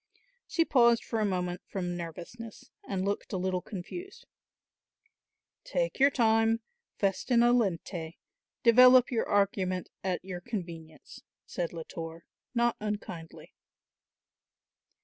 She paused for a moment from nervousness, and looked a little confused. "Take your time; festina lente, develop your argument at your convenience," said Latour not unkindly. Make haste slowly.